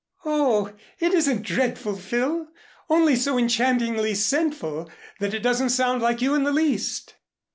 "Oh, it isn't dreadful, Phil, only so enchantingly sinful that it doesn't sound like you in the least."